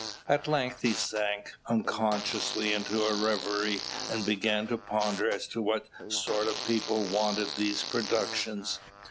At length he sank unconsciously into a reverie, and began to ponder as to what sort of people wanted these productions?